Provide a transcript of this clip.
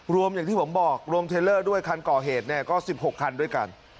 รวมอย่างที่ผมบอกรวมเทลเลอร์ด้วยคันก่อเหตุเนี่ยก็๑๖คันด้วยกัน